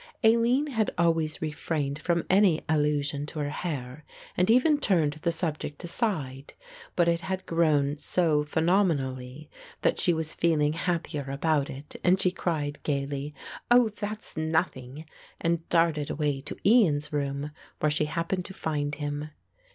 Aline had always refrained from any allusion to her hair and even turned the subject aside; but it had grown so phenomenally that she was feeling happier about it and she cried gaily; "Oh, that's nothing," and darted away to Ian's room, where she happened to find him.